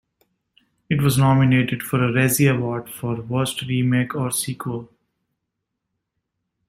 It was nominated for a Razzie Award for Worst Remake or Sequel.